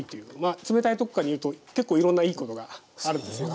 冷たいところから煮ると結構いろんないいことがあるんですよ。